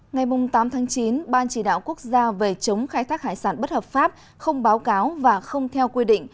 ngày tám tháng chín ban chỉ đạo quốc gia về chống khai thác hải sản bất hợp pháp không báo cáo và không theo quy định